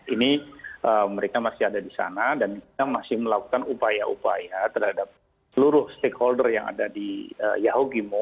ini mereka masih ada di sana dan kita masih melakukan upaya upaya terhadap seluruh stakeholder yang ada di yahukimo